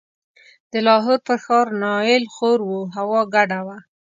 د لاهور پر ښار نایل خور و، هوا ګډه وه.